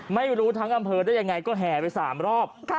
ไม่รู้ทั้งอำเภอได้ยังไงก็แห่ไป๓รอบ